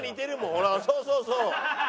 ほらそうそうそう。